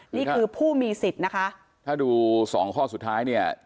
นี่คือผู้มีสิทธิ์นะคะถ้าดูสองข้อสุดท้ายเนี่ย